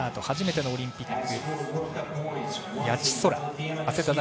初めてのオリンピック、谷地宙。